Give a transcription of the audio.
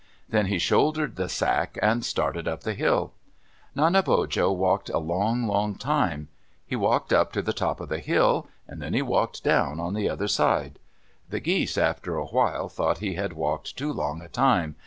Then he shouldered the sack and started up the hill. Nanebojo walked a long, long time. He walked up to the top of the hill and then he walked down on the other side. The geese after a while thought he had walked too long a time.